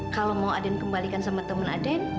kalau mau aden kembalikan sama temen aden